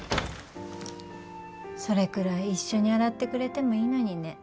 それくらい一緒に洗ってくれてもいいのにね。